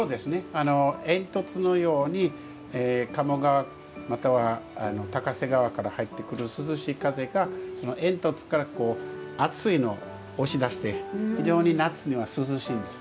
煙突のように鴨川、または高瀬川から入ってくる涼しい風が煙突から暑いのを押し出して非常に夏には涼しいんです。